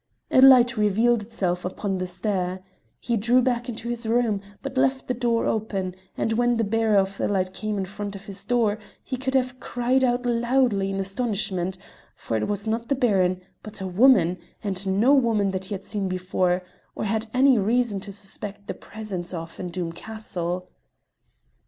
A light revealed itself upon the stair; he drew back into his room, but left the door open, and when the bearer of the light came in front of his door he could have cried out loudly in astonishment, for it was not the Baron but a woman, and no woman that he had seen before, or had any reason to suspect the presence of in Doom Castle.